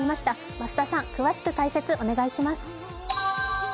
増田さん、詳しく解説お願いします